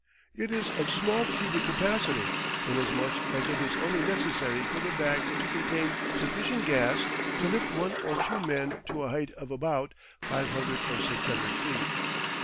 It is of small cubic capacity, inasmuch as it is only necessary for the bag to contain sufficient gas to lift one or two men to a height of about 500 or 600 feet.